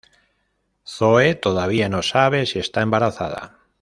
Zoe todavía no sabe si está embarazada.